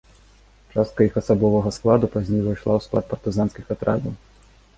Частка іх асабовага складу пазней увайшла ў склад партызанскіх атрадаў.